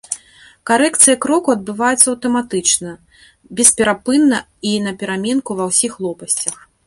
Карэкцыя кроку адбываецца аўтаматычна, бесперапынна і напераменку ва ўсіх лопасцях.